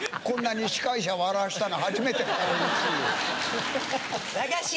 こんなに司会者笑わしたの初めてだ。